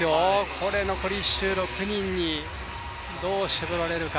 これ残り１周６人にどう絞られるか。